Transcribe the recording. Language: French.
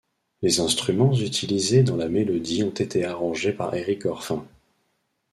Les instruments utilisés dans la mélodie ont été arrangés par Eric Gorfain.